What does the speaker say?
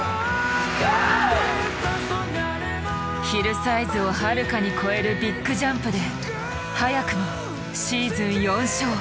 ヒルサイズをはるかに越えるビッグジャンプで早くもシーズン４勝！